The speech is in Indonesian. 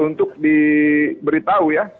untuk diberitahu ya